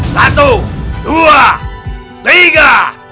satu dua tiga